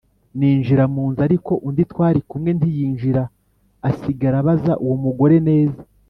Ninjira mu nzu ariko undi twari kumwe ntiyinjira asigara abaza uwo mugore neza